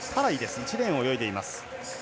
１レーンを泳いでいます。